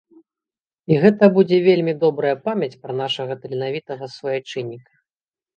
І гэта будзе вельмі добрая памяць пра нашага таленавітага суайчынніка.